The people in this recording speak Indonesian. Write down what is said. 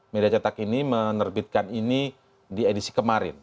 media cetak ini menerbitkan ini di edisi kemarin